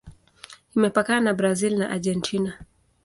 Imepakana na Brazil na Argentina.